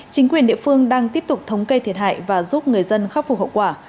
chính quyền địa phương đang tiếp tục thống kê thiệt hại và giúp người dân khắc phục hậu quả